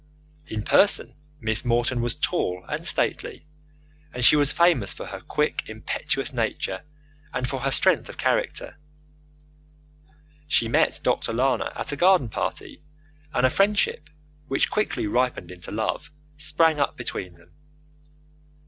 In person Miss Morton was tall and stately, and she was famous for her quick, impetuous nature and for her strength of character. She met Dr. Lana at a garden party, and a friendship, which quickly ripened into love, sprang up between them.